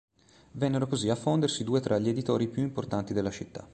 Vennero così a fondersi due tra gli editori più importanti della città.